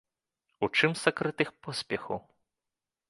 У чым сакрэт іх поспеху?